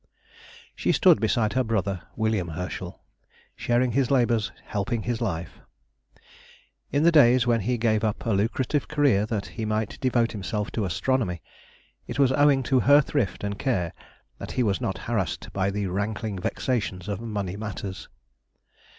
She stood beside her brother, William Herschel, sharing his labours, helping his life. In the days when he gave up a lucrative career that he might devote himself to astronomy, it was owing to her thrift and care that he was not harassed by the rankling vexations of money matters.